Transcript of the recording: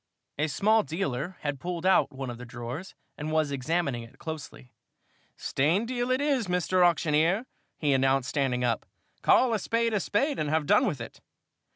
A small dealer had pulled out one of the drawers and was examining it closely. "Stained deal it is, Mr. Auctioneer," he announced, standing up. "Call a spade a spade and have done with it!"